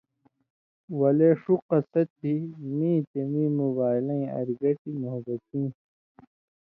ولے ݜُو قَصہ تھی مِیں تے مِیں موبائلَیں ارگٹیۡ موحبتیں،